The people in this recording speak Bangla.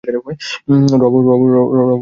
রব, কিছুই বলিনি?